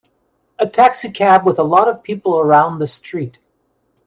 A taxi cab with a lot of people around the street.